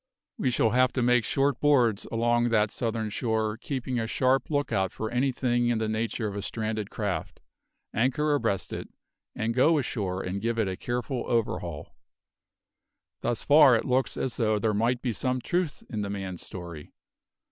We shall have to make short boards along that southern shore, keeping a sharp look out for anything in the nature of a stranded craft, anchor abreast it, and go ashore and give it a careful overhaul. Thus far it looks as though there might be some truth in the man's story.